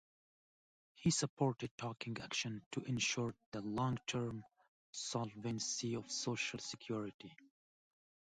He supported taking action to ensure the long-term solvency of Social Security.